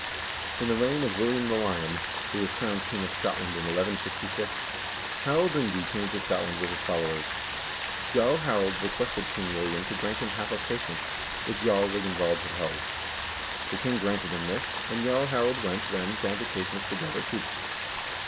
In the reign of William the Lion, who was crowned king of Scotland in 1166, Harald Ungi came to Scotland with his followers. "Jarl Harald requested King William to grant him half of Caithness, which Jarl R0gnvald had held. The king granted him this, and Jarl Harald went, then, down to Caith ness to gather troops."